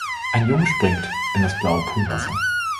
ein Junge springt in das blaue Poolwasser